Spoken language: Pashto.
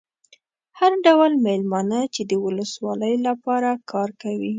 هر ډول مېلمانه چې د ولسوالۍ لپاره کار کوي.